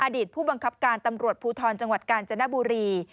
อดีตผู้บังคับการตำรวจภูทรจังหวัดกาญจนบุรี